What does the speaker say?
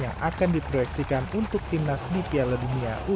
yang akan diproyeksikan untuk timnas di piala dunia u dua puluh